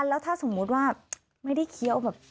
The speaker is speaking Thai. แล้วถ้าสมมุติว่าไม่ได้เคี้ยวแบบ